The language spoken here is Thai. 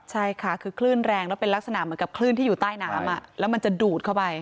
ใช่ค่ะคือคลื่นแรงแล้วเป็นลักษณะเหมือนกับคลื่นที่อยู่ใต้น้ำแล้วมันจะดูดเข้าไป